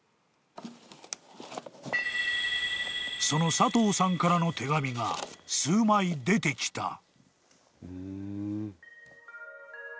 ［その佐藤さんからの手紙が数枚出てきた］